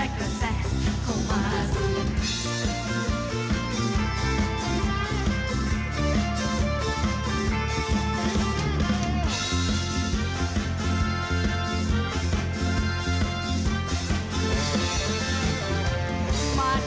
กระแทรกกระแทรกกระแทรกกระแทรกเข้ามาสิ